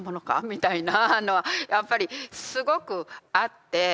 みたいなのはやっぱりすごくあって。